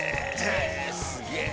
◆すげえ。